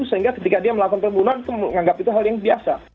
sehingga ketika dia melakukan pembunuhan itu menganggap itu hal yang biasa